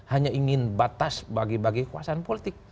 hanya ingin batas bagi bagi kekuasaan politik